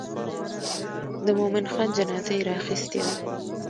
د مومن خان جنازه یې راخیستې ده.